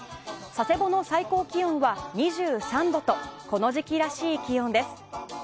佐世保の最高気温は２３度とこの時期らしい気温です。